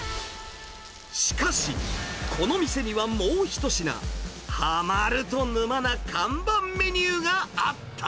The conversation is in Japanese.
しかし、この店にはもう一品、はまると沼な看板メニューがあった。